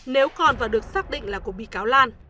nếu còn và được xác định là của bị cáo lan